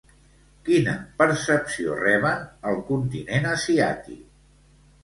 Quina percepció reben al continent asiàtic?